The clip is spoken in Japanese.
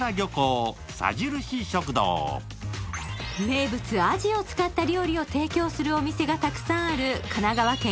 名物アジを使った料理を提供するお店がたくさんある神奈川県